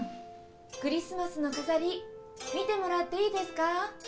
クリスマスの飾り見てもらっていいですか？